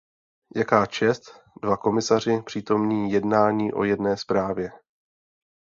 Jaká čest, dva komisaři přítomní jednání o jedné zprávě!